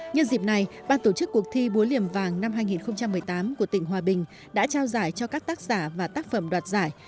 nhân dịp này ban tổ chức cuộc thi búa liềm vàng năm hai nghìn một mươi tám của tỉnh hòa bình đã trao giải cho các tác giả và tác phẩm đoạt giải